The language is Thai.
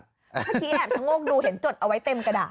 เมื่อกี้แอบชะโงกดูเห็นจดเอาไว้เต็มกระดาษ